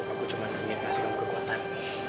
aku cuma ingin kasih kamu kekuatan